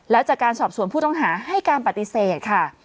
และจากการสอบสวนผู้ต้องหาให้การปฏิเสธค่ะ